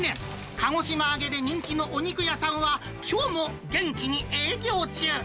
鹿児島揚げで人気のお肉屋さんは、きょうも元気に営業中。